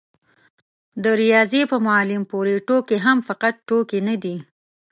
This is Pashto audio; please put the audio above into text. د رياضي په معلم پورې ټوکې هم فقط ټوکې نه دي.